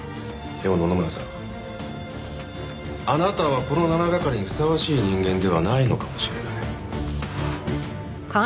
でも野々村さんあなたはこの７係にふさわしい人間ではないのかもしれない。